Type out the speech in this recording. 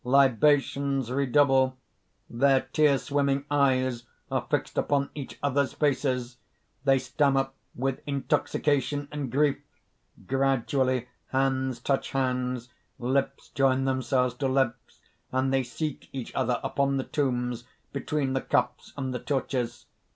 libations redouble. Their tear swimming eyes are fixed upon each other's faces. They stammer with intoxication and grief; gradually hands touch hands, lips join themselves to lips, and they seek each other upon the tombs, between the cups and the torches.